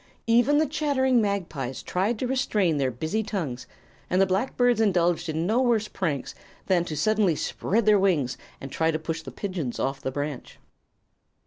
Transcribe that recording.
Even the chattering magpies tried to restrain their busy tongues, and the blackbirds indulged in no worse pranks than to suddenly spread their wings and try to push the pigeons off the branch.